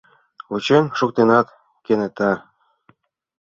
Вучен шуктенат, кенета...